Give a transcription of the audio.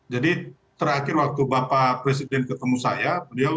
jadi terakhir waktu bapak presiden ketemu saya